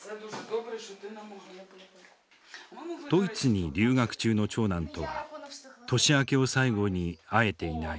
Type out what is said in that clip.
ドイツに留学中の長男とは年明けを最後に会えていない。